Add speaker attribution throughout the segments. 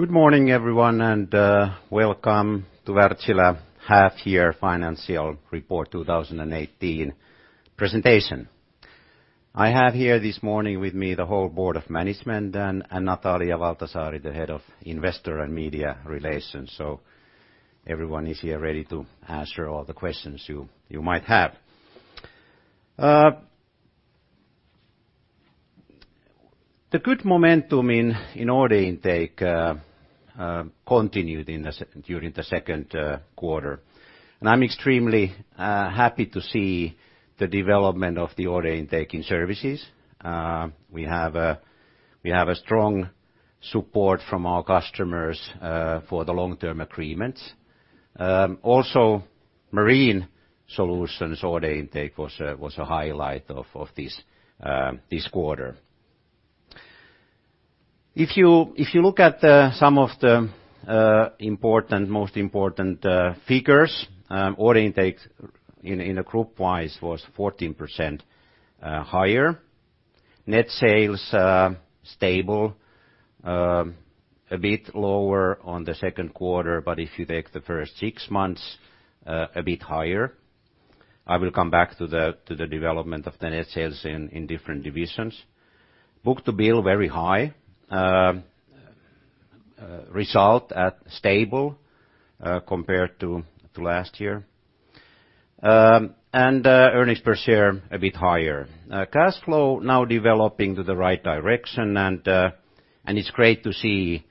Speaker 1: Good morning everyone, welcome to Wärtsilä half-year financial report 2018 presentation. I have here this morning with me the whole board of management and Natalia Valtasaari, the Head of Investor and Media Relations. Everyone is here ready to answer all the questions you might have. The good momentum in order intake continued during the second quarter. I'm extremely happy to see the development of the order intake in services. We have a strong support from our customers for the long-term agreements. Marine Solutions order intake was a highlight of this quarter. If you look at some of the most important figures, order intakes in a group wise was 14% higher. Net sales stable, a bit lower on the second quarter, but if you take the first 6 months, a bit higher. I will come back to the development of the net sales in different divisions. Book-to-bill very high. Result at stable compared to last year. Earnings per share a bit higher. Cash flow now developing to the right direction, and it's great to see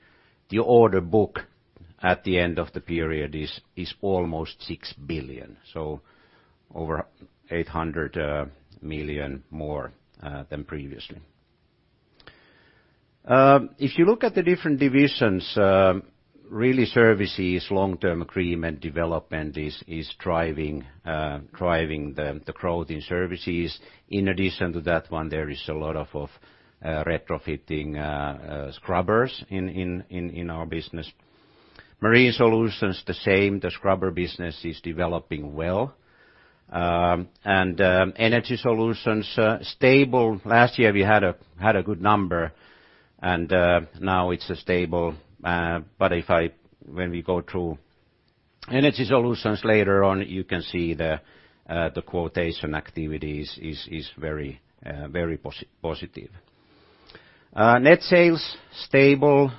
Speaker 1: the order book at the end of the period is almost 6 billion. Over 800 million more than previously. If you look at the different divisions, really Services long-term agreement development is driving the growth in services. In addition to that one, there is a lot of retrofitting scrubbers in our business. Marine Solutions, the same. The scrubber business is developing well. Energy Solutions stable. Last year we had a good number, and now it's stable. When we go through Energy Solutions later on, you can see the quotation activity is very positive. Net sales stable.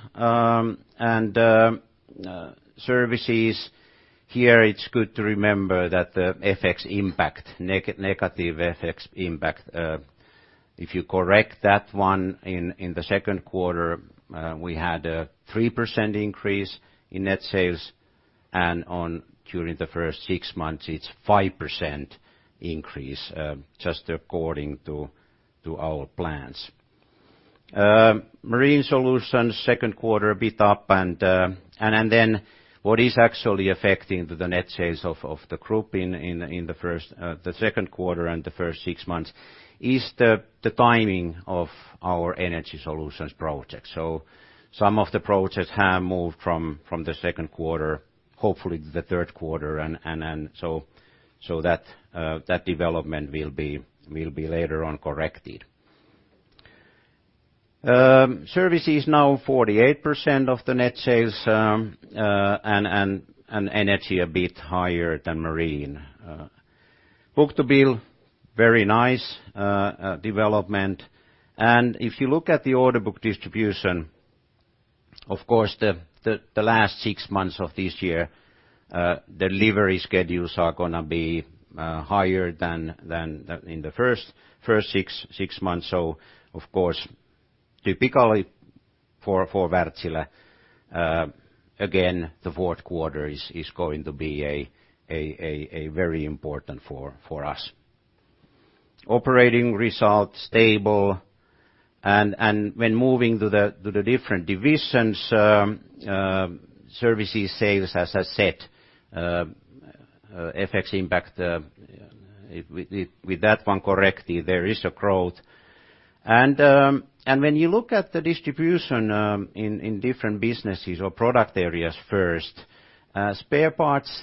Speaker 1: Services, here it's good to remember that the negative FX impact. If you correct that one in the second quarter, we had a 3% increase in net sales, and during the first 6 months it's 5% increase, just according to our plans. Marine Solutions, second quarter a bit up. What is actually affecting the net sales of the group in the second quarter and the first 6 months is the timing of our Energy Solutions projects. Some of the projects have moved from the second quarter, hopefully to the third quarter. That development will be later on corrected. Services now 48% of the net sales, and Energy a bit higher than Marine. Book-to-bill, very nice development. If you look at the order book distribution, of course, the last 6 months of this year, delivery schedules are going to be higher than in the first 6 months. Of course, typically for Wärtsilä again, the fourth quarter is going to be very important for us. Operating results stable. When moving to the different divisions, Services sales, as I said, FX impact with that one corrected there is a growth. When you look at the distribution in different businesses or product areas first, spare parts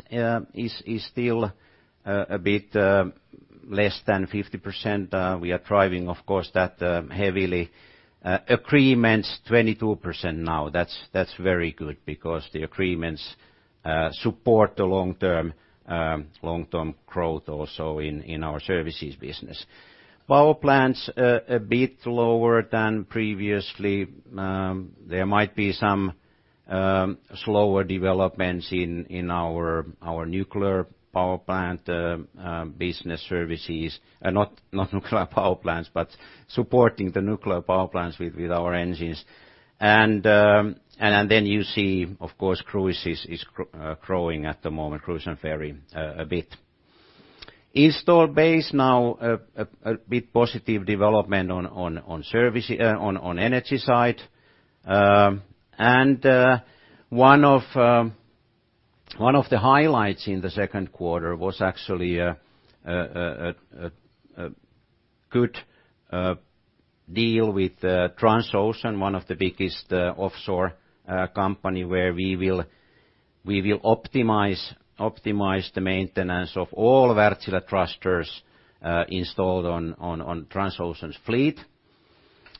Speaker 1: is still a bit less than 50%. We are driving, of course, that heavily. Agreements 22% now. That's very good because the agreements support the long-term growth also in our services business. Power plants a bit lower than previously. There might be some slower developments in our nuclear power plant business services. Not nuclear power plants, but supporting the nuclear power plants with our engines. You see, of course, cruise is growing at the moment, cruise and ferry a bit. Installed base now a bit positive development on energy side. One of the highlights in the second quarter was actually a good deal with Transocean, one of the biggest offshore company, where We will optimize the maintenance of all Wärtsilä thrusters installed on Transocean's fleet.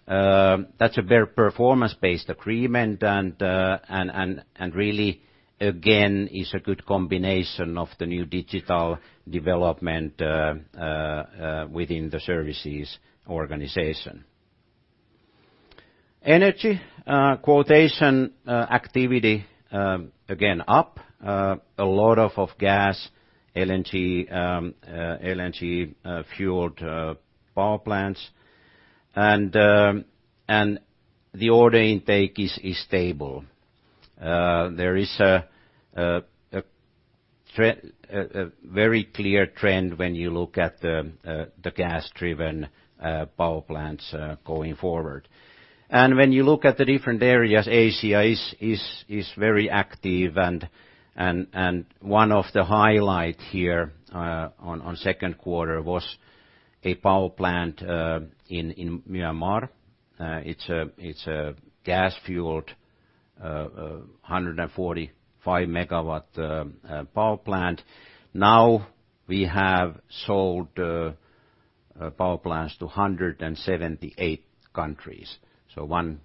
Speaker 1: That's a very performance-based agreement, and really, again, is a good combination of the new digital development within the services organization. Energy quotation activity, again, up. A lot of gas, LNG-fueled power plants. The order intake is stable. There is a very clear trend when you look at the gas-driven power plants going forward. When you look at the different areas, Asia is very active, and one of the highlight here on second quarter was a power plant in Myanmar. It's a gas-fueled 145-megawatt power plant. Now we have sold power plants to 178 countries. One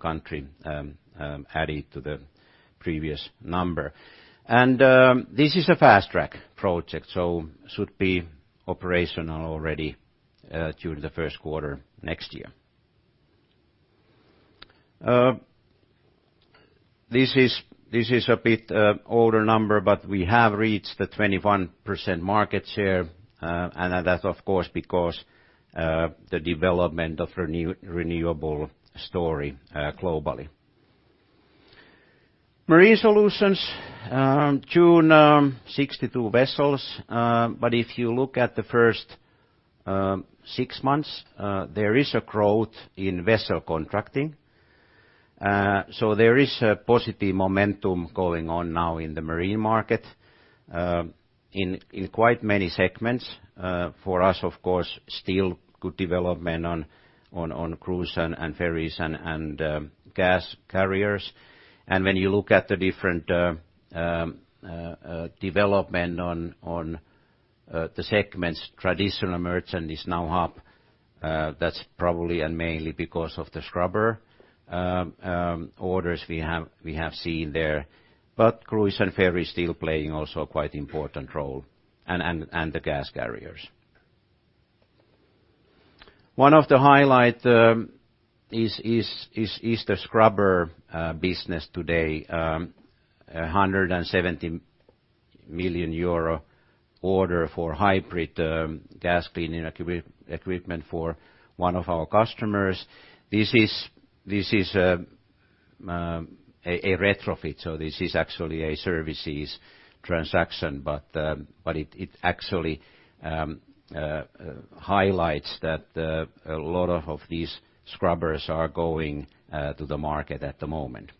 Speaker 1: country added to the previous number. This is a fast-track project, so should be operational already during the first quarter next year. This is a bit older number, we have reached the 21% market share. That's, of course, because the development of renewable story globally. Marine Solutions, June '22 vessels. If you look at the first six months, there is a growth in vessel contracting. There is a positive momentum going on now in the marine market in quite many segments. For us, of course, still good development on cruise and ferries and gas carriers. When you look at the different development on the segments, traditional merchant is now up. That's probably and mainly because of the scrubber orders we have seen there. Cruise and ferry is still playing also quite important role and the gas carriers. One of the highlight is the scrubber business today, a 170 million euro order for hybrid gas cleaning equipment for one of our customers. This is a retrofit, so this is actually a services transaction. It actually highlights that a lot of these scrubbers are going to the market at the moment.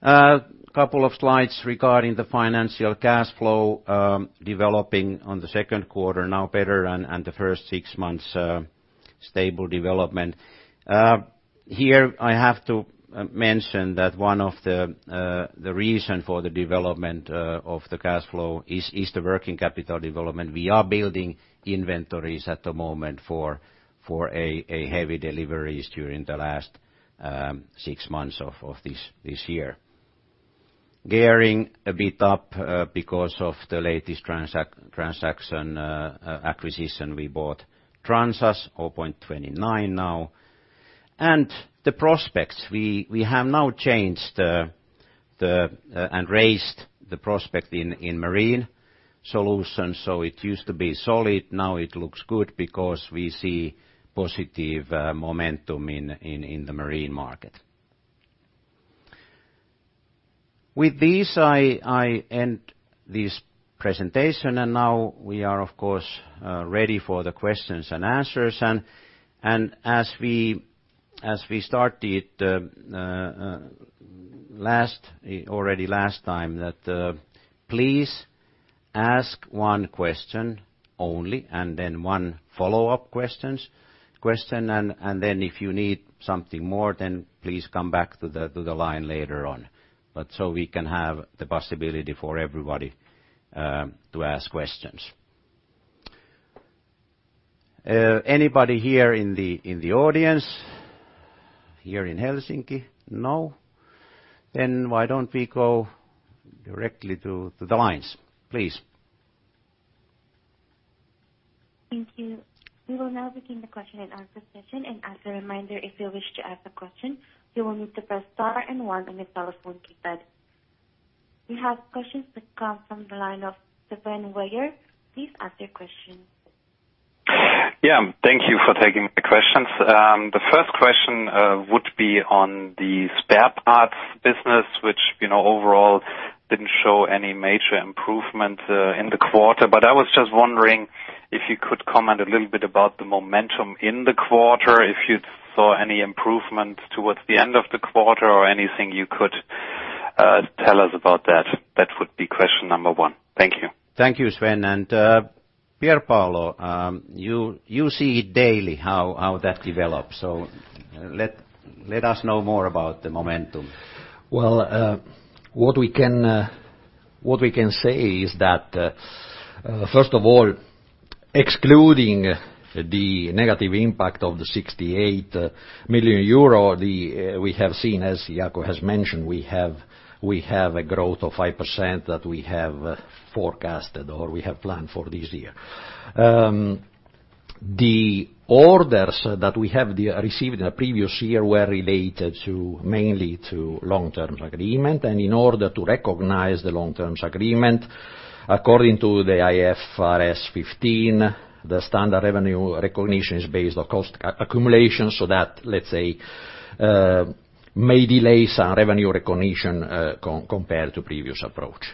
Speaker 1: A couple of slides regarding the financial cash flow developing on the second quarter, now better and the first six months stable development. Here I have to mention that one of the reason for the development of the cash flow is the working capital development. We are building inventories at the moment for a heavy deliveries during the last six months of this year. Gearing a bit up because of the latest transaction acquisition we bought Transas, 0.29 now. The prospects, we have now changed and raised the prospect in marine solutions. It used to be solid, now it looks good because we see positive momentum in the marine market. With this, I end this presentation, now we are, of course, ready for the questions and answers. As we started already last time that please ask one question only, and then one follow-up question. If you need something more, then please come back to the line later on. So we can have the possibility for everybody to ask questions. Anybody here in the audience here in Helsinki? No. Why don't we go directly to the lines, please.
Speaker 2: Thank you. As a reminder, if you wish to ask a question, you will need to press star and one on your telephone keypad. We have questions that come from the line of Sven Weier. Please ask your question.
Speaker 3: Yeah. Thank you for taking the questions. The first question would be on the spare parts business, which overall didn't show any major improvement in the quarter. I was just wondering if you could comment a little bit about the momentum in the quarter, if you saw any improvement towards the end of the quarter or anything you could tell us about that. That would be question number one. Thank you.
Speaker 1: Thank you, Sven. Pierpaolo, you see it daily how that develops. Let us know more about the momentum.
Speaker 4: What we can say is that first of all, excluding the negative impact of the 68 million euro, we have seen, as Jaakko has mentioned, we have a growth of 5% that we have forecasted or we have planned for this year. The orders that we have received in the previous year were related mainly to long-term agreement. In order to recognize the long-term agreement, according to the IFRS 15, the standard revenue recognition is based on cost accumulation, that, let's say, may delay some revenue recognition compared to previous approach.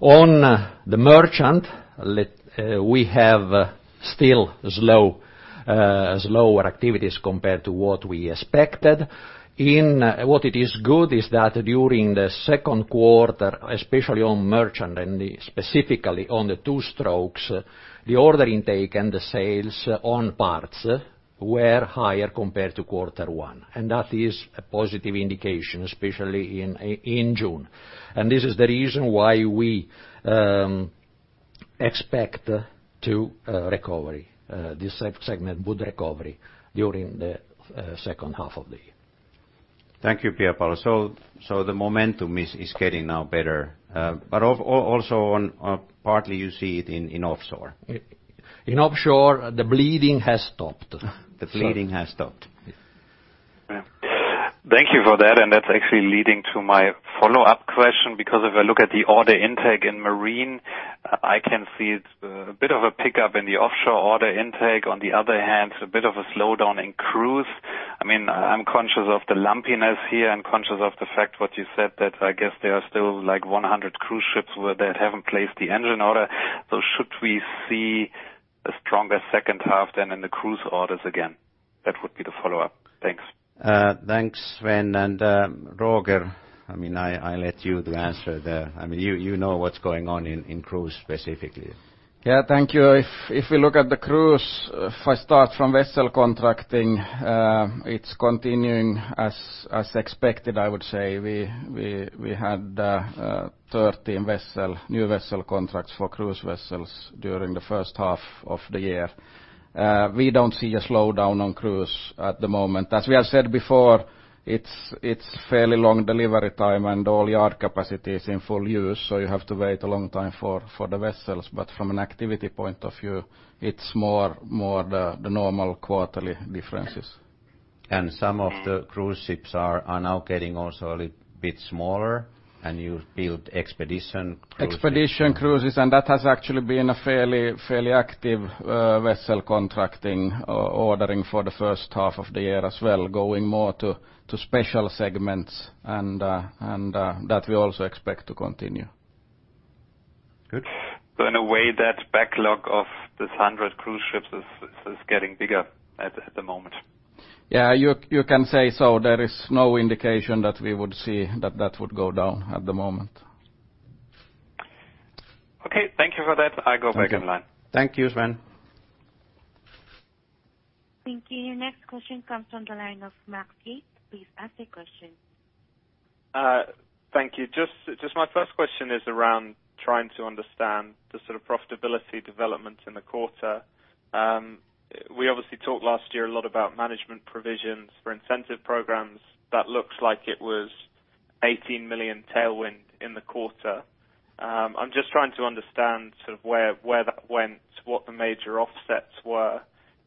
Speaker 4: On the merchant, we have still slower activities compared to what we expected. What is good is that during the second quarter, especially on merchant and specifically on the two-stroke, the order intake and the sales on parts were higher compared to quarter one. That is a positive indication, especially in June. This is the reason why we expect to recover, this segment would recover during the second half of the year.
Speaker 1: Thank you, Pierpaolo. The momentum is getting now better. Also on partly you see it in offshore.
Speaker 4: In offshore, the bleeding has stopped.
Speaker 1: The bleeding has stopped.
Speaker 4: Yes.
Speaker 3: Thank you for that. That's actually leading to my follow-up question, because if I look at the order intake in marine, I can see it's a bit of a pickup in the offshore order intake, on the other hand, a bit of a slowdown in cruise. I'm conscious of the lumpiness here and conscious of the fact what you said that I guess there are still 100 cruise ships where they haven't placed the engine order. Should we see a stronger second half than in the cruise orders again? That would be the follow-up. Thanks.
Speaker 1: Thanks, Sven. Roger, I let you to answer there. You know what's going on in cruise specifically.
Speaker 5: Thank you. If we look at the cruise, if I start from vessel contracting, it's continuing as expected, I would say. We had 13 new vessel contracts for cruise vessels during the first half of the year. We don't see a slowdown on cruise at the moment. As we have said before, it's fairly long delivery time and all yard capacity is in full use, so you have to wait a long time for the vessels. From an activity point of view, it's more the normal quarterly differences.
Speaker 1: Some of the cruise ships are now getting also a little bit smaller and you build expedition cruises.
Speaker 5: Expedition cruises. That has actually been a fairly active vessel contracting, ordering for the first half of the year as well, going more to special segments and that we also expect to continue.
Speaker 1: Good.
Speaker 3: In a way, that backlog of this 100 cruise ships is getting bigger at the moment.
Speaker 5: You can say so. There is no indication that we would see that that would go down at the moment.
Speaker 3: Thank you for that. I go back in line.
Speaker 1: Thank you, Sven.
Speaker 2: Thank you. Next question comes from the line of Max Yates. Please ask your question.
Speaker 6: Thank you. Just my first question is around trying to understand the sort of profitability development in the quarter. We obviously talked last year a lot about management provisions for incentive programs. That looks like it was 18 million tailwind in the quarter. I am just trying to understand sort of where that went, what the major offsets were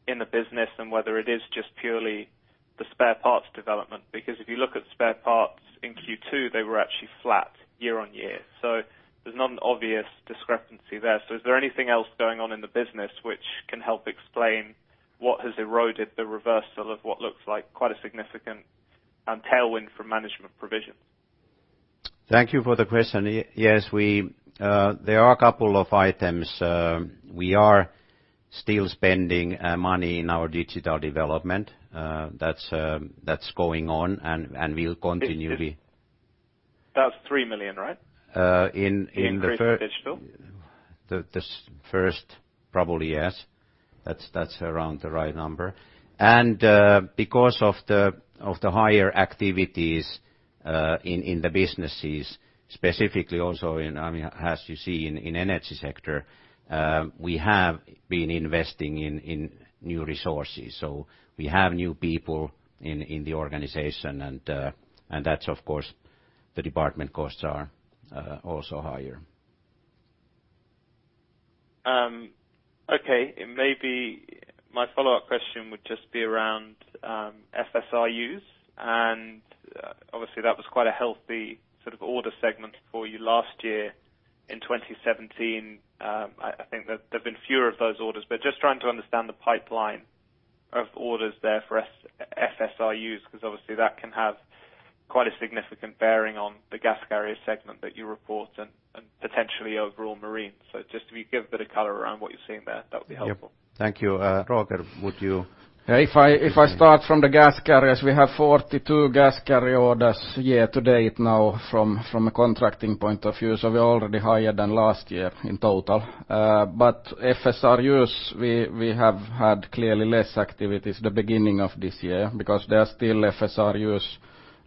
Speaker 6: in the business, and whether it is just purely the spare parts development. Because if you look at spare parts in Q2, they were actually flat year-on-year. There is not an obvious discrepancy there. Is there anything else going on in the business which can help explain what has eroded the reversal of what looks like quite a significant tailwind from management provisions?
Speaker 1: Thank you for the question. Yes, there are a couple of items. We are still spending money in our digital development. That is going on and we will continually
Speaker 6: That's 3 million, right?
Speaker 1: In the first.
Speaker 6: Increase in digital.
Speaker 1: The first, probably, yes. That's around the right number. Because of the higher activities in the businesses, specifically also in, as you see in energy sector, we have been investing in new resources. We have new people in the organization and that's, of course, the department costs are also higher.
Speaker 6: Okay. Maybe my follow-up question would just be around FSRUs. Obviously that was quite a healthy sort of order segment for you last year in 2017. I think that there've been fewer of those orders, just trying to understand the pipeline of orders there for FSRUs, because obviously that can have quite a significant bearing on the gas carrier segment that you report and potentially overall marine. Just if you give a bit of color around what you're seeing there, that would be helpful.
Speaker 1: Yep. Thank you. Roger, would you-
Speaker 5: If I start from the gas carriers, we have 42 gas carrier orders year to date now from a contracting point of view. We're already higher than last year in total. FSRUs, we have had clearly less activities the beginning of this year because there are still FSRUs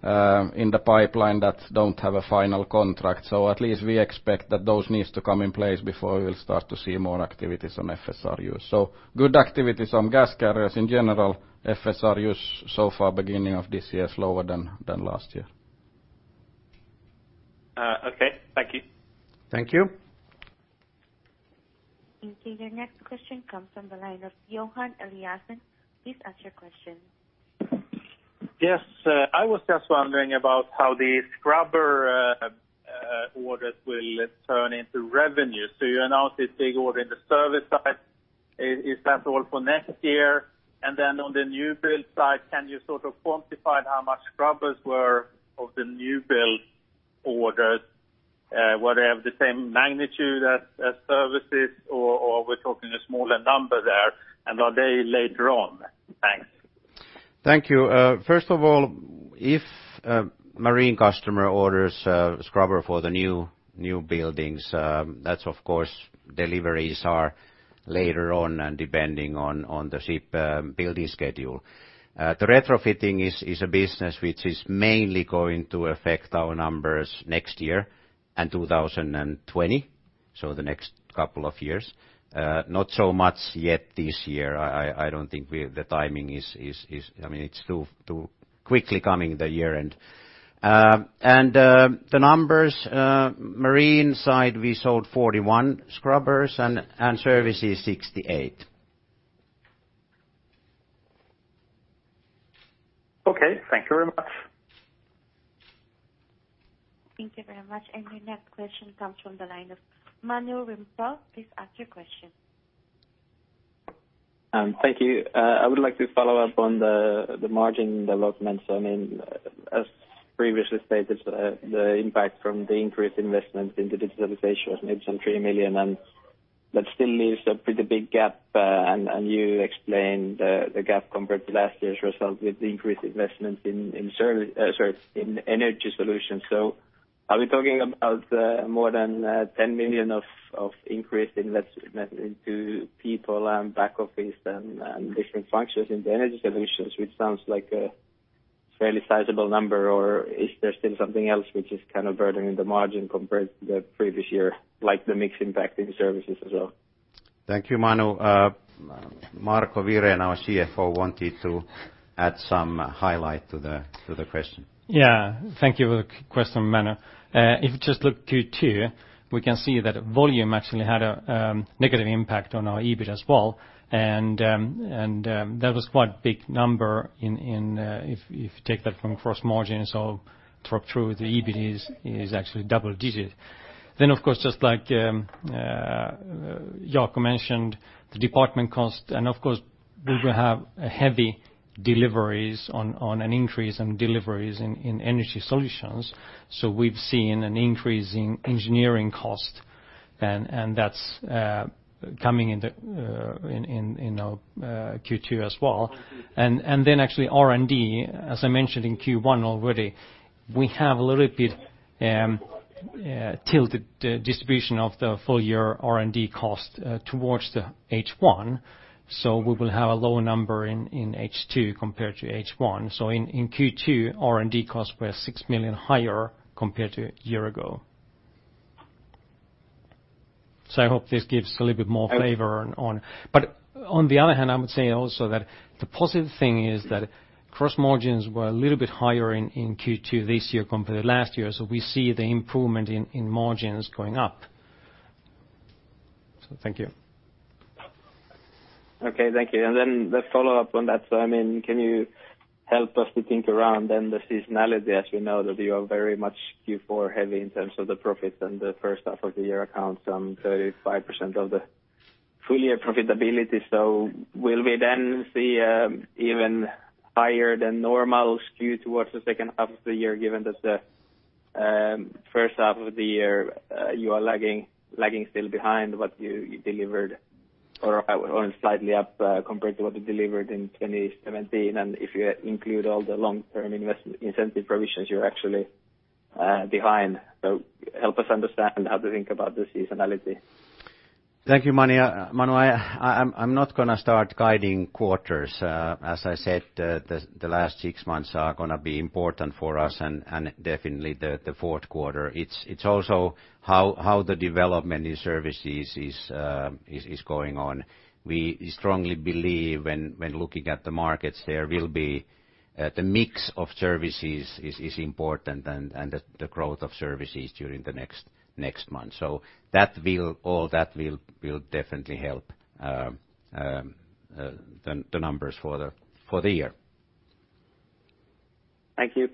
Speaker 5: in the pipeline that don't have a final contract. At least we expect that those needs to come in place before we will start to see more activities on FSRU. Good activities on gas carriers in general. FSRUs so far, beginning of this year, slower than last year.
Speaker 6: Okay. Thank you.
Speaker 1: Thank you.
Speaker 2: Okay, your next question comes from the line of Johan Eliason. Please ask your question.
Speaker 7: Yes. I was just wondering about how the scrubber orders will turn into revenue. You announced this big order in the service side. Is that all for next year? On the new build side, can you sort of quantify how much scrubbers were of the new build orders? Were they of the same magnitude as services or we're talking a smaller number there, and are they later on? Thanks.
Speaker 1: Thank you. First of all, if a marine customer orders a scrubber for the new buildings, that of course, deliveries are later on and depending on the ship building schedule. The retrofitting is a business which is mainly going to affect our numbers next year and 2020, so the next couple of years. Not so much yet this year. I don't think the timing is too quickly coming, the year-end. The numbers, marine side, we sold 41 scrubbers and services, 68.
Speaker 7: Okay. Thank you very much.
Speaker 2: Thank you very much. Your next question comes from the line of Manuel Riempp. Please ask your question.
Speaker 8: Thank you. I would like to follow up on the margin developments. As previously stated, the impact from the increased investment in the digitalization was maybe some 3 million, that still leaves a pretty big gap. You explained the gap compared to last year's result with increased investment in Energy Solutions. Are we talking about more than 10 million of increased investment into people and back office and different functions in the Energy Solutions, which sounds like a fairly sizable number? Or is there still something else which is kind of burdening the margin compared to the previous year, like the mix impact in services as well?
Speaker 1: Thank you, Manu. Marco Wirén, our CFO, wanted to add some highlight to the question.
Speaker 9: Yeah. Thank you for the question, Manu. If you just look Q2, we can see that volume actually had a negative impact on our EBIT as well, and that was quite a big number if you take that from gross margins or drop through the EBIT is actually double-digit. Then, of course, just like Jaakko mentioned, the department costs, and of course, we will have heavy deliveries on an increase in deliveries in Energy Solutions. We've seen an increase in engineering costs and that's coming in our Q2 as well. And then actually R&D, as I mentioned in Q1 already, we have a little bit tilted distribution of the full year R&D costs towards the H1. We will have a lower number in H2 compared to H1. In Q2, R&D costs were 6 million higher compared to a year ago. I hope this gives a little bit more flavor. On the other hand, I would say also that the positive thing is that gross margins were a little bit higher in Q2 this year compared to last year. We see the improvement in margins going up. Thank you.
Speaker 8: Okay. Thank you. Then let's follow up on that. Can you help us to think around then the seasonality, as we know that you are very much Q4 heavy in terms of the profits and the first half of the year accounts, some 35% of the full year profitability. Will we then see even higher than normal skew towards the second half of the year, given that the first half of the year, you are lagging still behind what you delivered or slightly up compared to what you delivered in 2017? If you include all the long-term incentive provisions, you're actually behind. Help us understand how to think about the seasonality.
Speaker 1: Thank you, Manu. I'm not going to start guiding quarters. As I said, the last six months are going to be important for us and definitely the fourth quarter. It's also how the development in services is going on. We strongly believe when looking at the markets there will be the mix of services is important and the growth of services during the next month. All that will definitely help the numbers for the year.
Speaker 8: Thank you.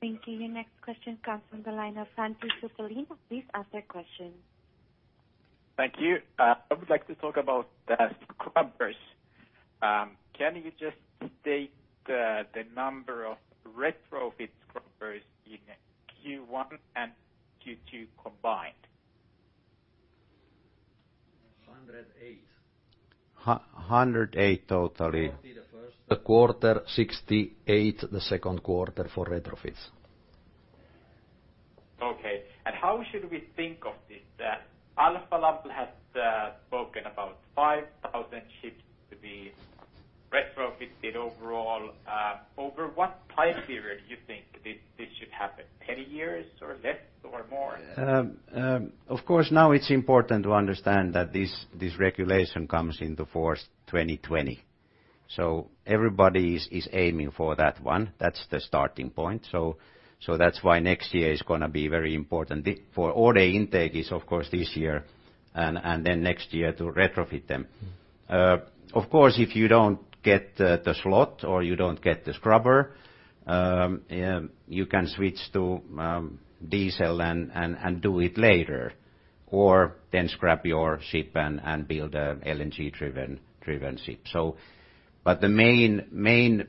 Speaker 2: Thank you. Your next question comes from the line of Francis Celine. Please ask your question.
Speaker 10: Thank you. I would like to talk about the scrubbers. Can you just state the number of retrofit scrubbers in Q1 and Q2 combined?
Speaker 4: 108.
Speaker 1: 108 totally.
Speaker 4: 40
Speaker 1: The quarter, 68 the second quarter for retrofits.
Speaker 10: Okay. How should we think of this? Alfa Laval has spoken about 5,000 ships to be retrofitted overall. Over what time period do you think this should happen? 10 years or less, or more?
Speaker 1: Of course, now it's important to understand that this regulation comes into force 2020. Everybody is aiming for that one. That's the starting point. That's why next year is going to be very important. For order intake is, of course, this year and then next year to retrofit them. Of course, if you don't get the slot or you don't get the scrubber, you can switch to diesel and do it later. Scrap your ship and build a LNG-driven ship. The main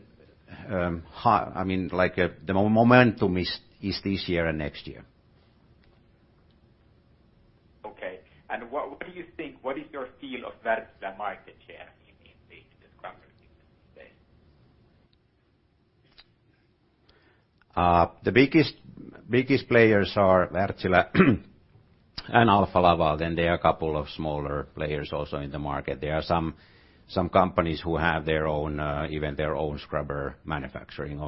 Speaker 1: momentum is this year and next year.
Speaker 10: Okay. What do you think, what is your feel of Wärtsilä market share in this space, the scrubber business space?
Speaker 1: The biggest players are Wärtsilä and Alfa Laval. There are a couple of smaller players also in the market. There are some companies who have even their own scrubber manufacturing.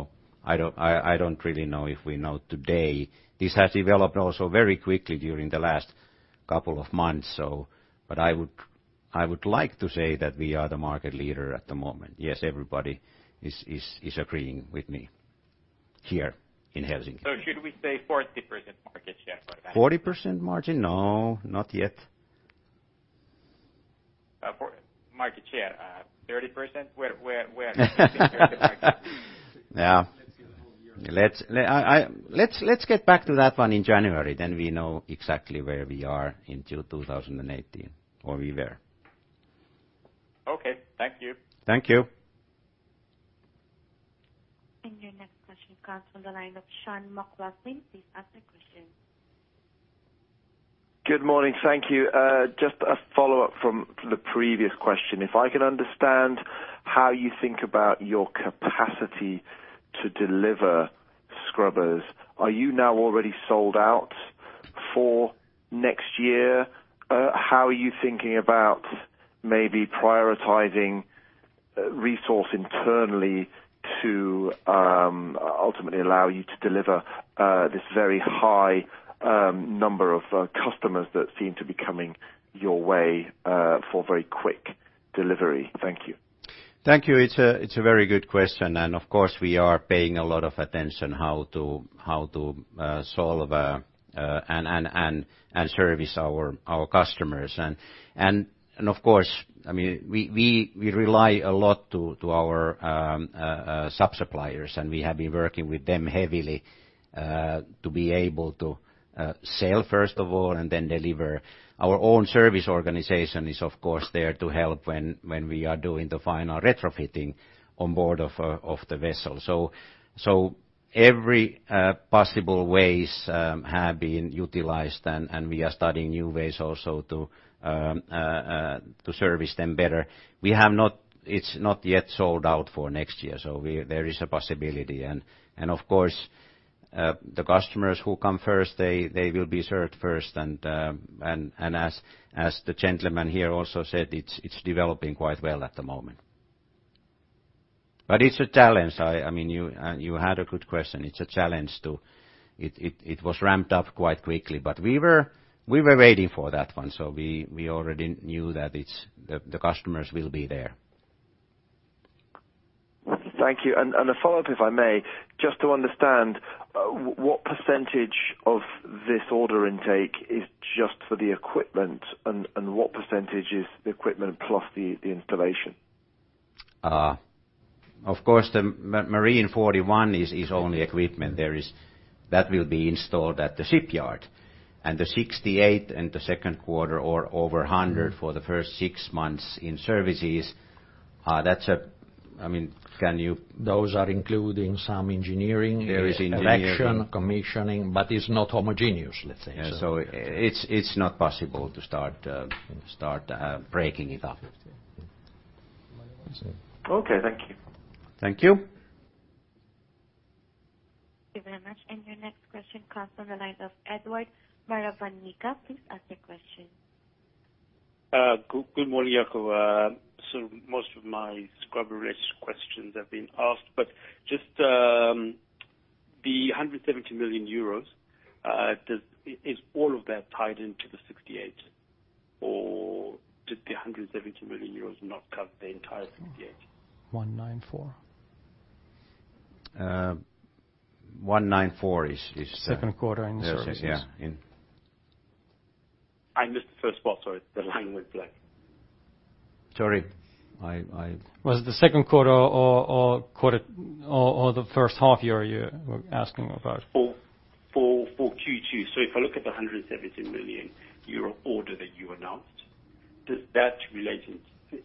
Speaker 1: I don't really know if we know today. This has developed also very quickly during the last couple of months. I would like to say that we are the market leader at the moment. Yes, everybody is agreeing with me here in Helsinki.
Speaker 10: Should we say 40% market share for that?
Speaker 1: 40% margin? No, not yet.
Speaker 10: For market share. 30%? Where are we in terms of market share?
Speaker 1: Yeah.
Speaker 4: Let's see the whole year.
Speaker 1: Let's get back to that one in January, then we know exactly where we are until 2018, or we were.
Speaker 10: Okay. Thank you.
Speaker 1: Thank you.
Speaker 2: Your next question comes from the line of Sean Fernback. Please ask your question.
Speaker 11: Good morning. Thank you. Just a follow-up from the previous question. If I can understand how you think about your capacity to deliver scrubbers. Are you now already sold out for next year? How are you thinking about maybe prioritizing resource internally to ultimately allow you to deliver this very high number of customers that seem to be coming your way, for very quick delivery? Thank you.
Speaker 1: Thank you. It's a very good question, and of course, we are paying a lot of attention how to solve and service our customers. Of course, we rely a lot to our sub-suppliers, and we have been working with them heavily to be able to sell first of all, and then deliver. Our own service organization is of course there to help when we are doing the final retrofitting on board of the vessel. Every possible ways have been utilized, and we are studying new ways also to service them better. It's not yet sold out for next year. There is a possibility. Of course, the customers who come first, they will be served first. As the gentleman here also said, it's developing quite well at the moment. It's a challenge. You had a good question. It was ramped up quite quickly. We were waiting for that one. We already knew that the customers will be there.
Speaker 11: Thank you. A follow-up, if I may, just to understand, what % of this order intake is just for the equipment, and what % is the equipment plus the installation?
Speaker 1: Of course, the Marine 41 is only equipment. That will be installed at the shipyard. The 68 in the second quarter or over 100 for the first six months in services, that's a.
Speaker 4: Those are including some engineering-.
Speaker 1: There is engineering
Speaker 4: erection, commissioning, it's not homogeneous, let's say.
Speaker 1: It's not possible to start breaking it up.
Speaker 11: Okay. Thank you.
Speaker 1: Thank you.
Speaker 2: Thank you very much. Your next question comes from the line of Edward Maravanika. Please ask your question.
Speaker 12: Good morning, Jaakko. Most of my scrubber-related questions have been asked, just the 170 million euros, is all of that tied into the 68? Did the 170 million euros not cover the entire 68?
Speaker 4: 194.
Speaker 1: 194.
Speaker 4: Second quarter in services.
Speaker 12: I missed the first part, sorry. The line went blank.
Speaker 1: Sorry.
Speaker 4: Was it the second quarter or the first half year you were asking about?
Speaker 12: For Q2. If I look at the 170 million euro order that you announced, does that relate?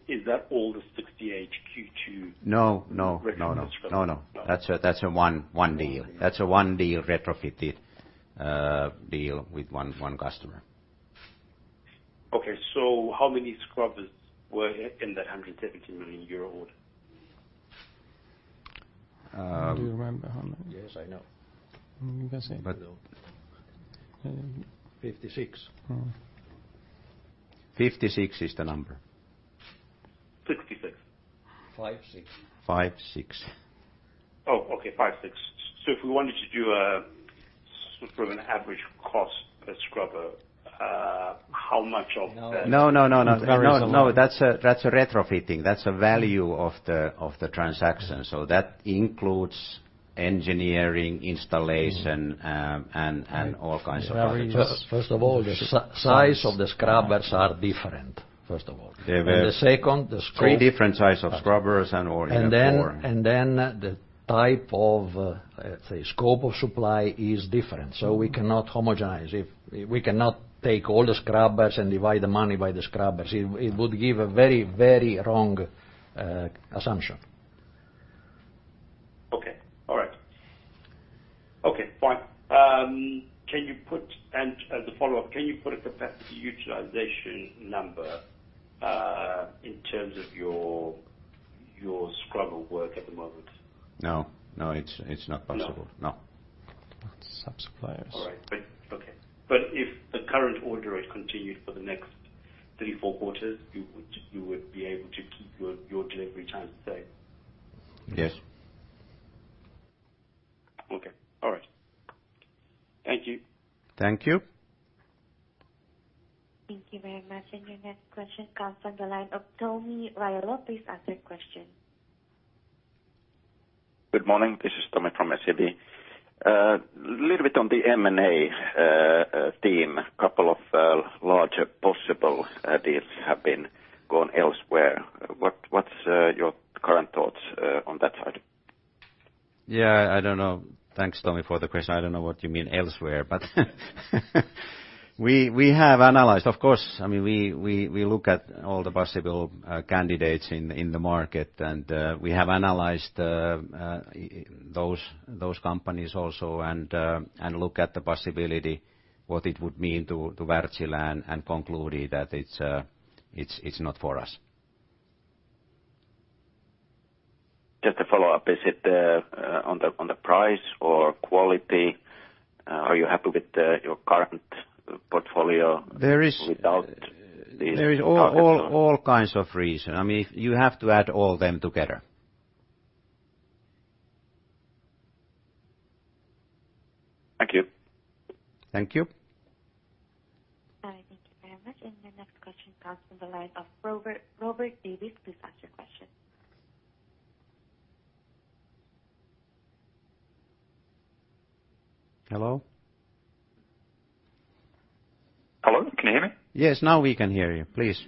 Speaker 12: Is that all the 68 Q2?
Speaker 1: No.
Speaker 12: -record
Speaker 1: No. That's a one deal. That's a one deal, retrofitted deal with one customer.
Speaker 12: Okay. How many scrubbers were in that 170 million euro order?
Speaker 4: Do you remember how many?
Speaker 1: Yes, I know.
Speaker 4: You can say it.
Speaker 1: 56.
Speaker 4: Oh.
Speaker 1: 56 is the number.
Speaker 12: 66.
Speaker 4: 56.
Speaker 1: 56.
Speaker 12: Oh, okay. 56. If we wanted to do sort of an average cost per scrubber.
Speaker 1: No. That's a retrofitting. That's a value of the transaction. That includes engineering, installation, and all kinds of projects.
Speaker 4: First of all, the size of the scrubbers are different. First of all. The second, the scope-
Speaker 1: Three different size of scrubbers and all here, four.
Speaker 4: The type of, let's say, scope of supply is different. We cannot homogenize. We cannot take all the scrubbers and divide the money by the scrubbers. It would give a very wrong assumption.
Speaker 12: Okay. All right. Okay, fine. As a follow-up, can you put a capacity utilization number, in terms of your scrubber work at the moment?
Speaker 1: No, it's not possible.
Speaker 12: No.
Speaker 1: No.
Speaker 4: Sub-suppliers.
Speaker 12: All right. Okay. If the current order rate continued for the next three, four quarters, you would be able to keep your delivery time the same?
Speaker 1: Yes.
Speaker 12: Okay. All right. Thank you.
Speaker 1: Thank you.
Speaker 2: Thank you very much. Your next question comes from the line of Tomi Railo. Ask your question.
Speaker 13: Good morning. This is Tomi from SEB. Little bit on the M&A theme. Couple of larger possible deals have been gone elsewhere. What's your current thoughts on that side?
Speaker 1: Yeah, I don't know. Thanks, Tomi, for the question. I don't know what you mean elsewhere, but we have analyzed. Of course, we look at all the possible candidates in the market, and we have analyzed those companies also and look at the possibility, what it would mean to Wärtsilä and concluded that it's not for us.
Speaker 13: Just a follow-up. Is it on the price or quality? Are you happy with your current portfolio-
Speaker 1: There is-
Speaker 13: without these targets or?
Speaker 1: There is all kinds of reason. You have to add all them together.
Speaker 13: Thank you.
Speaker 1: Thank you.
Speaker 2: All right. Thank you very much. Your next question comes from the line of Robert Davis. Please ask your question.
Speaker 1: Hello?
Speaker 14: Hello. Can you hear me?
Speaker 1: Yes. Now we can hear you. Please.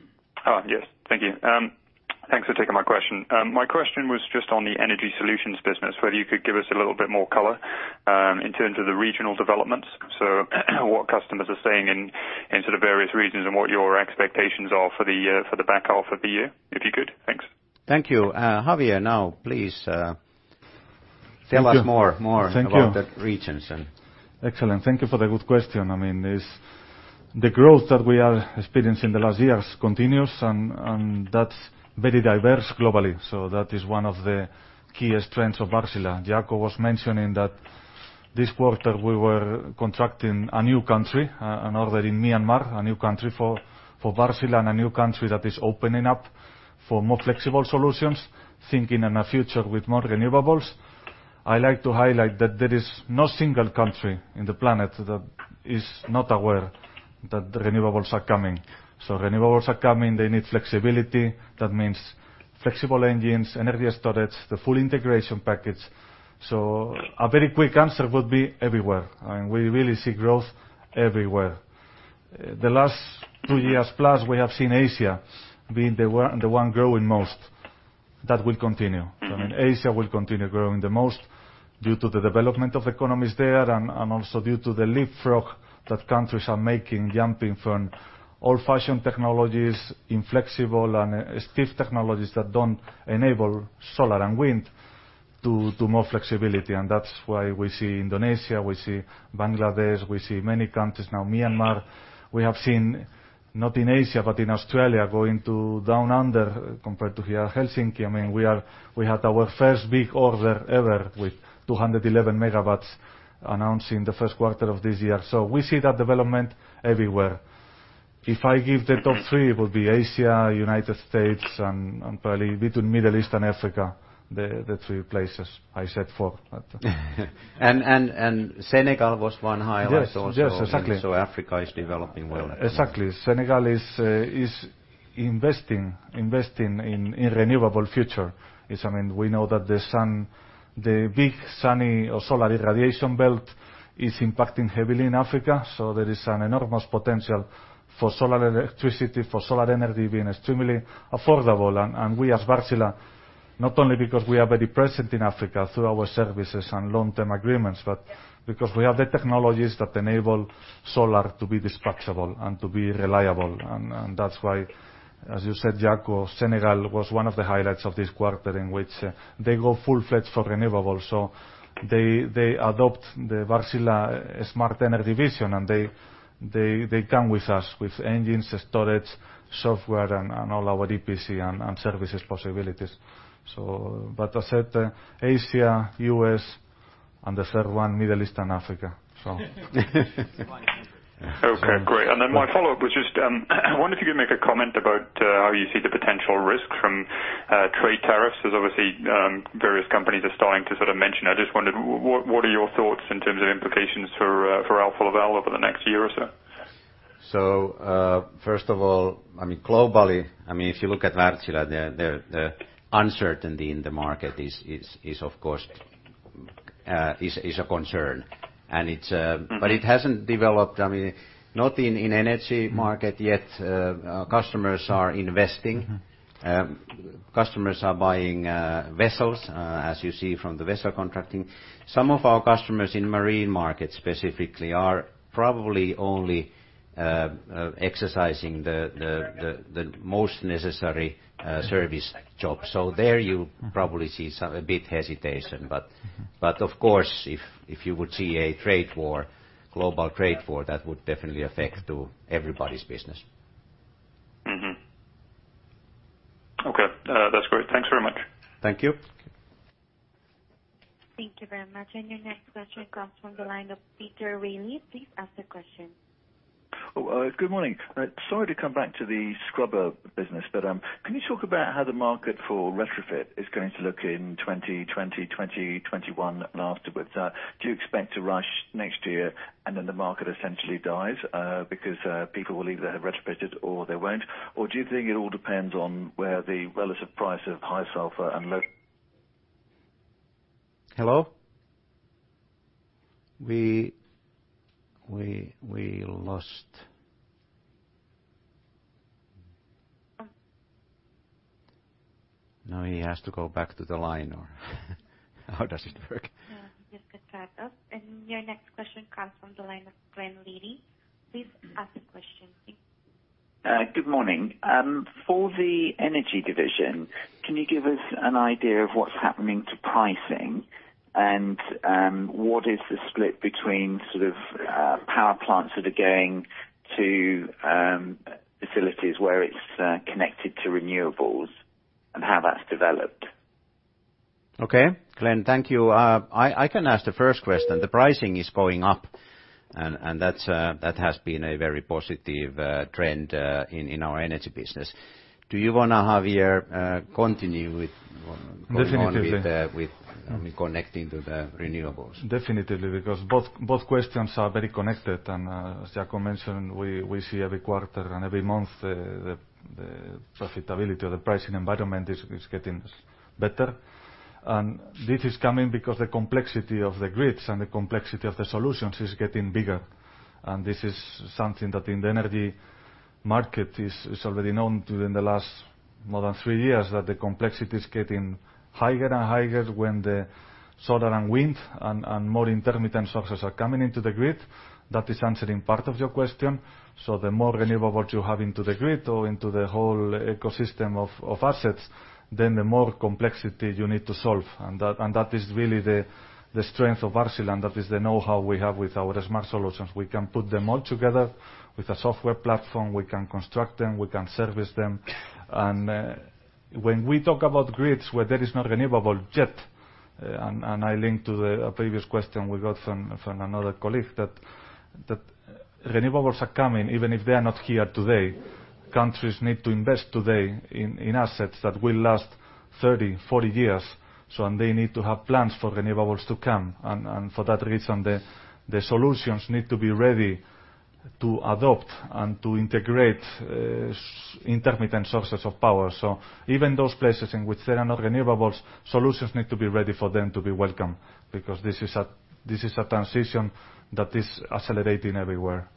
Speaker 14: Yes. Thank you. Thanks for taking my question. My question was just on the Energy Solutions business, whether you could give us a little bit more color in terms of the regional developments. What customers are saying in sort of various regions and what your expectations are for the back half of the year, if you could. Thanks.
Speaker 1: Thank you. Javier now, please tell us more-
Speaker 15: Thank you
Speaker 1: about the regions and-
Speaker 15: Excellent. Thank you for the good question. The growth that we are experiencing the last years continues, and that's very diverse globally. That is one of the key strengths of Wärtsilä. Jaakko was mentioning that this quarter we were contracting a new country, an order in Myanmar, a new country for Wärtsilä, and a new country that is opening up for more flexible solutions, thinking in a future with more renewables. I like to highlight that there is no single country in the planet that is not aware that renewables are coming. Renewables are coming. They need flexibility. That means flexible engines, energy storage, the full integration package. A very quick answer would be everywhere, and we really see growth everywhere. The last two years plus, we have seen Asia being the one growing most. That will continue. Asia will continue growing the most due to the development of economies there, and also due to the leapfrog that countries are making, jumping from old-fashioned technologies, inflexible and stiff technologies that don't enable solar and wind to more flexibility. That's why we see Indonesia, we see Bangladesh, we see many countries now, Myanmar. We have seen, not in Asia, but in Australia, going to Down Under compared to here, Helsinki. We had our first big order ever with 211 megawatts announced in the first quarter of this year. We see that development everywhere. If I give the top three, it would be Asia, United States, and probably between Middle East and Africa, the three places. I said four, but
Speaker 1: Senegal was one highlight also.
Speaker 15: Yes, exactly
Speaker 1: Africa is developing well.
Speaker 15: Exactly. Senegal is investing in renewable future, we know that the big sunny or solar irradiation belt is impacting heavily in Africa. There is an enormous potential for solar electricity, for solar energy being extremely affordable. We as Wärtsilä, not only because we are very present in Africa through our services and long-term agreements, but because we have the technologies that enable solar to be dispatchable and to be reliable. That's why, as you said, Jaakko, Senegal was one of the highlights of this quarter in which they go full-fledged for renewables. They adopt the Wärtsilä Smart Energy vision, and they come with us with engines, storage, software, and all our EPC and services possibilities. As said, Asia, U.S., and the third one, Middle East and Africa.
Speaker 14: Okay, great. My follow-up was just, I wonder if you can make a comment about how you see the potential risks from trade tariffs, as obviously various companies are starting to sort of mention. I just wondered, what are your thoughts in terms of implications for Alfa Laval over the next year or so?
Speaker 1: First of all, globally, if you look at Wärtsilä, the uncertainty in the market is, of course, a concern. It hasn't developed, not in energy market yet. Customers are investing. Customers are buying vessels, as you see from the vessel contracting. Some of our customers in marine markets specifically are probably only exercising the most necessary service jobs. There you probably see a bit hesitation. Of course, if you would see a global trade war, that would definitely affect to everybody's business.
Speaker 14: Okay. That's great. Thanks very much.
Speaker 1: Thank you.
Speaker 2: Thank you very much. Your next question comes from the line of Peter Whaley. Please ask the question.
Speaker 16: Oh, good morning. Sorry to come back to the scrubber business, can you talk about how the market for retrofit is going to look in 2020, 2021, and afterwards? Do you expect a rush next year, and then the market essentially dies because people will either have retrofitted or they won't? Do you think it all depends on where the relative price of high sulfur and low
Speaker 1: Hello? We lost Now he has to go back to the line or how does it work?
Speaker 2: Yes, good start up. Your next question comes from the line of Glenn Riedy. Please ask the question.
Speaker 17: Good morning. For the energy division, can you give us an idea of what's happening to pricing? What is the split between sort of power plants that are going to facilities where it's connected to renewables, and how that's developed?
Speaker 1: Okay. Glenn, thank you. I can answer the first question. The pricing is going up, and that has been a very positive trend in our energy business. Do you want to, Javier, continue with-
Speaker 15: Definitely
Speaker 1: connecting to the renewables?
Speaker 15: Definitely, because both questions are very connected. As Jaakko mentioned, we see every quarter and every month, the profitability or the pricing environment is getting better. This is coming because the complexity of the grids and the complexity of the solutions is getting bigger. This is something that in the energy market is already known during the last more than 3 years, that the complexity is getting higher and higher when the solar and wind and more intermittent sources are coming into the grid. That is answering part of your question. The more renewables you have into the grid or into the whole ecosystem of assets, then the more complexity you need to solve. That is really the strength of Wärtsilä, and that is the know-how we have with our smart solutions. We can put them all together with a software platform. We can construct them, we can service them. When we talk about grids where there is no renewable yet, and I link to the previous question we got from another colleague that renewables are coming, even if they are not here today. Countries need to invest today in assets that will last 30, 40 years. They need to have plans for renewables to come. For that reason, the solutions need to be ready to adopt and to integrate intermittent sources of power. Even those places in which there are no renewables, solutions need to be ready for them to be welcome, because this is a transition that is accelerating everywhere.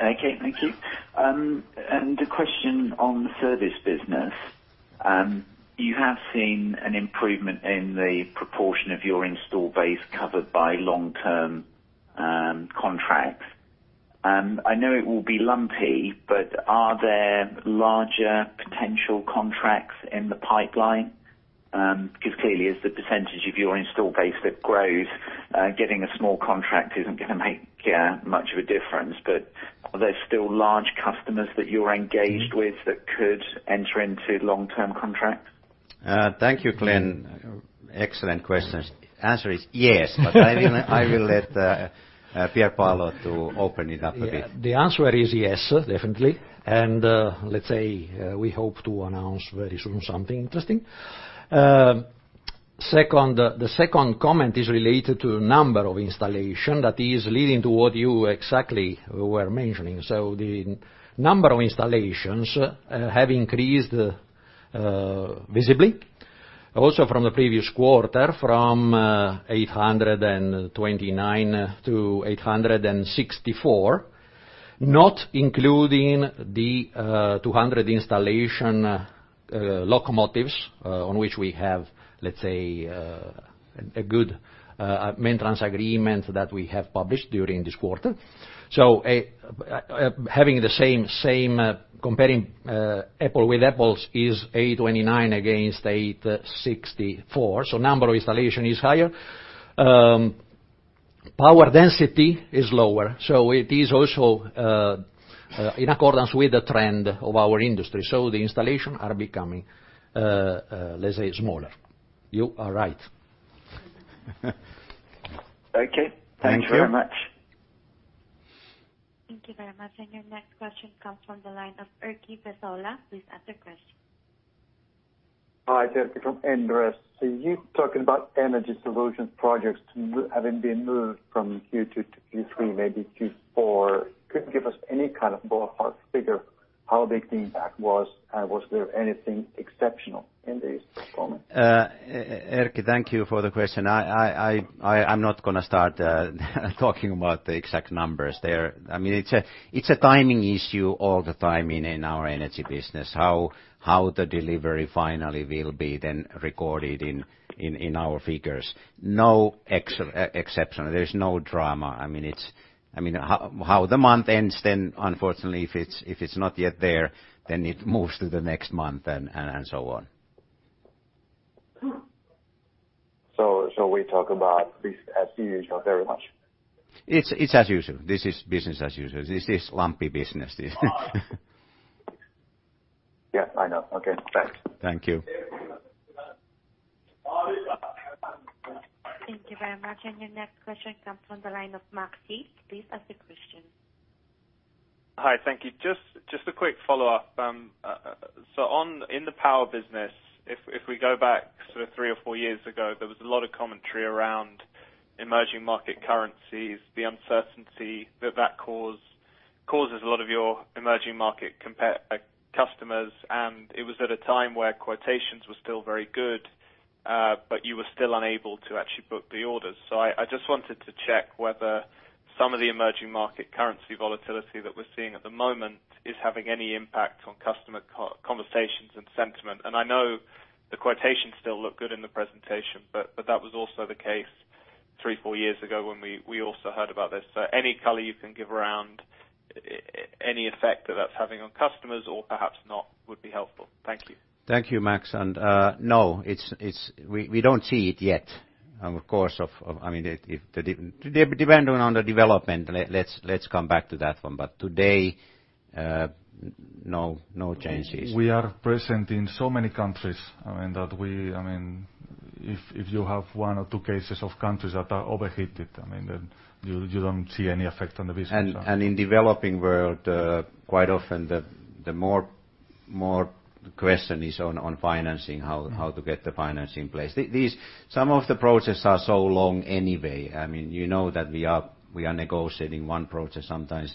Speaker 17: Okay, thank you. A question on the service business. You have seen an improvement in the proportion of your install base covered by long-term contracts. I know it will be lumpy, but are there larger potential contracts in the pipeline? Because clearly, as the percentage of your install base that grows, getting a small contract isn't going to make much of a difference. Are there still large customers that you're engaged with that could enter into long-term contracts?
Speaker 1: Thank you, Glenn. Excellent questions. Answer is yes. I will let Pierpaolo to open it up a bit.
Speaker 4: The answer is yes, definitely. Let's say, we hope to announce very soon something interesting. Second, the second comment is related to number of installation that is leading to what you exactly were mentioning. The number of installations have increased visibly also from the previous quarter, from 829 to 864, not including the 200 installation locomotives, on which we have, let's say, a good maintenance agreement that we have published during this quarter. Having the same, comparing apple with apples is 829 against 864. Number of installation is higher. Power density is lower, it is also in accordance with the trend of our industry. The installation are becoming, let's say, smaller. You are right.
Speaker 17: Okay. Thank you very much.
Speaker 2: Thank you very much. Your next question comes from the line of Erkki Vesola. Please ask the question.
Speaker 18: Hi, it's Erkki from Inderes. You talking about Energy Solutions projects having been moved from Q2 to Q3, maybe Q4. Could you give us any kind of ballpark figure how big the impact was? Was there anything exceptional in this performance?
Speaker 1: Erkki, thank you for the question. I'm not going to start talking about the exact numbers there. It's a timing issue all the time in our energy business, how the delivery finally will be recorded in our figures. No exception. There is no drama. How the month ends, unfortunately, if it's not yet there, it moves to the next month and so on.
Speaker 18: We talk about this as usual. Very much.
Speaker 1: It's as usual. This is business as usual. This is lumpy business.
Speaker 18: Yes, I know. Okay, thanks.
Speaker 4: Thank you.
Speaker 2: Thank you very much. Your next question comes from the line of Max Yates. Please ask the question.
Speaker 6: Hi. Thank you. Just a quick follow-up. In the power business, if we go back sort of three or four years ago, there was a lot of commentary around emerging market currencies, the uncertainty that that causes a lot of your emerging market customers. It was at a time where quotations were still very good, but you were still unable to actually book the orders. I just wanted to check whether some of the emerging market currency volatility that we're seeing at the moment is having any impact on customer conversations and sentiment. I know the quotations still look good in the presentation, but that was also the case three, four years ago when we also heard about this. Any color you can give around any effect that that's having on customers or perhaps not would be helpful. Thank you.
Speaker 1: Thank you, Max. No, we don't see it yet. Of course, depending on the development, let's come back to that one. Today, no changes.
Speaker 15: We are present in so many countries, if you have one or two cases of countries that are overheated, you don't see any effect on the business. In developing world, quite often the more question is on financing, how to get the financing in place. Some of the processes are so long anyway. You know that we are negotiating one process sometimes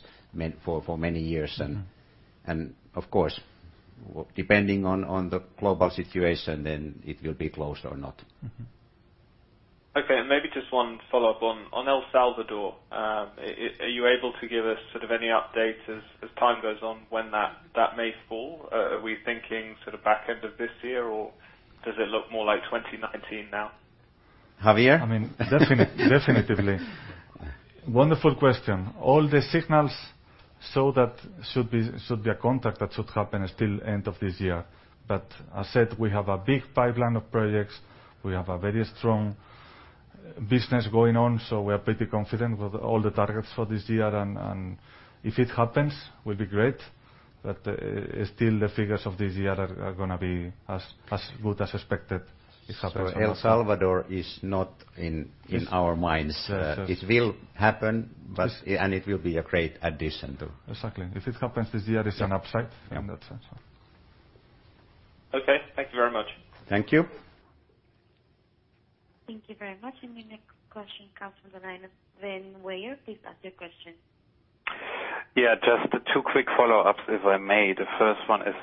Speaker 15: for many years. Of course, depending on the global situation, it will be closed or not.
Speaker 6: Okay. Maybe just one follow-up on El Salvador. Are you able to give us sort of any updates as time goes on when that may fall? Are we thinking sort of back end of this year, or does it look more like 2019 now?
Speaker 4: Javier?
Speaker 15: I mean, definitely. Wonderful question. All the signals show that should be a contract that should happen still end of this year. As said, we have a big pipeline of projects. We have a very strong business going on. We are pretty confident with all the targets for this year. If it happens, will be great. Still, the figures of this year are going to be as good as expected.
Speaker 1: El Salvador is not in our minds.
Speaker 15: Yes.
Speaker 1: It will happen and it will be a great addition too.
Speaker 15: Exactly. If it happens this year, it's an upside in that sense.
Speaker 6: Okay. Thank you very much.
Speaker 1: Thank you.
Speaker 2: Thank you very much. The next question comes from the line of Sven Weier. Please ask your question.
Speaker 3: Just two quick follow-ups, if I may. The first one is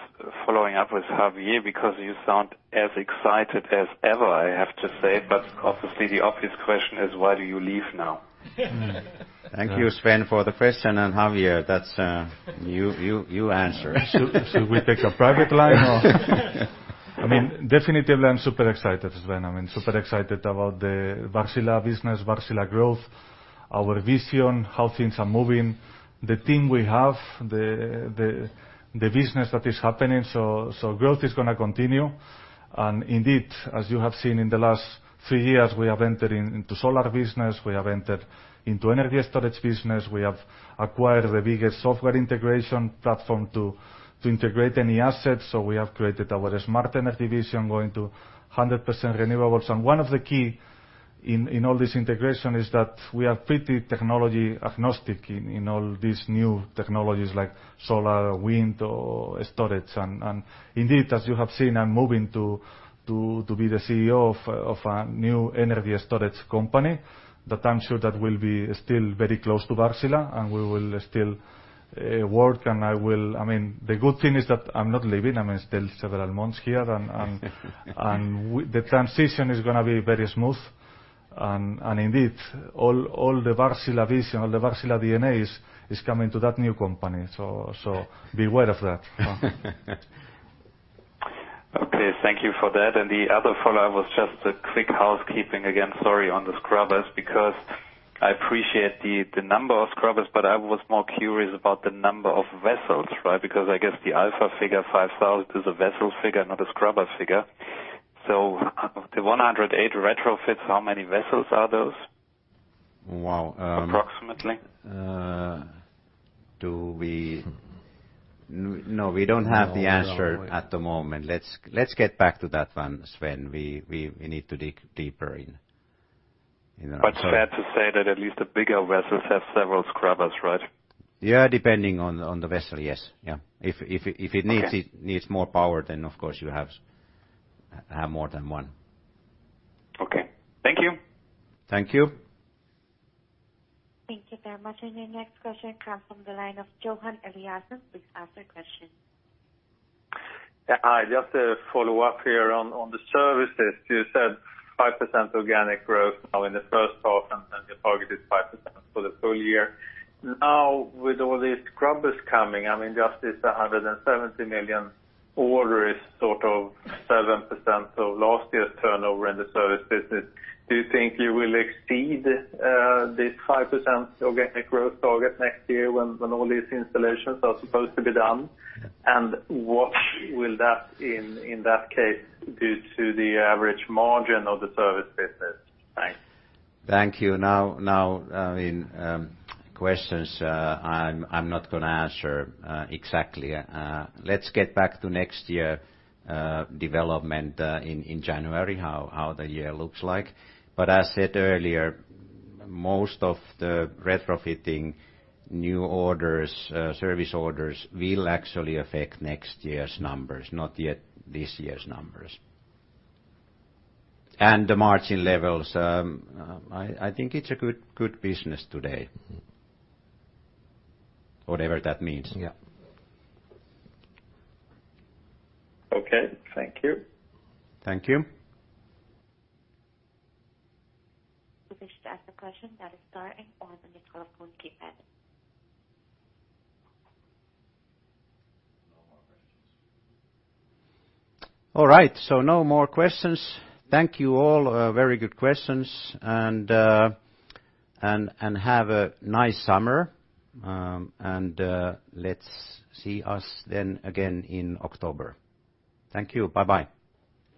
Speaker 3: following up with Javier, because you sound as excited as ever, I have to say. Obviously, the obvious question is, why do you leave now?
Speaker 1: Thank you, Sven, for the question. Javier, that's your answer.
Speaker 15: Definitely, I'm super excited, Sven. I'm super excited about the Wärtsilä business, Wärtsilä growth, our vision, how things are moving, the team we have, the business that is happening. Growth is going to continue. Indeed, as you have seen in the last 3 years, we have entered into solar business. We have entered into energy storage business. We have acquired the biggest software integration platform to integrate any assets. We have created our Smart Energy division going to 100% renewables. One of the key in all this integration is that we are pretty technology agnostic in all these new technologies like solar, wind or storage. Indeed, as you have seen, I'm moving to be the CEO of a new energy storage company that I'm sure that will be still very close to Wärtsilä, and we will still work. The good thing is that I'm not leaving. I'm still several months here. The transition is going to be very smooth. Indeed, all the Wärtsilä vision, all the Wärtsilä DNAs is coming to that new company. Beware of that.
Speaker 3: Okay. Thank you for that. The other follow-up was just a quick housekeeping again, sorry, on the scrubbers, because I appreciate the number of scrubbers, but I was more curious about the number of vessels, right? Because I guess the Alfa figure 5,000 is a vessel figure, not a scrubber figure. The 108 retrofits, how many vessels are those?
Speaker 1: Wow.
Speaker 3: Approximately.
Speaker 1: No, we don't have the answer at the moment. Let's get back to that one, Sven. We need to dig deeper in.
Speaker 3: Fair to say that at least the bigger vessels have several scrubbers, right?
Speaker 1: Yeah, depending on the vessel, yes. Yeah.
Speaker 3: Okay.
Speaker 1: If it needs more power, then of course you have to have more than one.
Speaker 3: Okay. Thank you.
Speaker 1: Thank you.
Speaker 2: Thank you very much. Your next question comes from the line of Johan Eliason. Please ask your question.
Speaker 7: Yeah, hi. Just a follow-up here on the services. You said 5% organic growth now in the first half, you targeted 5% for the full year. With all these scrubbers coming, just this 170 million order is sort of 7% of last year's turnover in the service business. Do you think you will exceed this 5% organic growth target next year when all these installations are supposed to be done? What will that, in that case, do to the average margin of the service business? Thanks.
Speaker 1: Questions I'm not going to answer exactly. Let's get back to next year development in January, how the year looks like. As said earlier, most of the retrofitting new orders, service orders, will actually affect next year's numbers, not yet this year's numbers. The margin levels, I think it's a good business today. Whatever that means.
Speaker 7: Yeah. Okay. Thank you.
Speaker 1: Thank you.
Speaker 2: If you wish to ask a question, press star and one on your telephone keypad.
Speaker 19: No more questions.
Speaker 1: All right. No more questions. Thank you all. Very good questions. Have a nice summer. Let's see us then again in October. Thank you. Bye-bye.